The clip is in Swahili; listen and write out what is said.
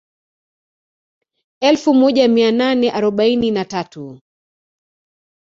Elfu moja mia nane arobaini na tatu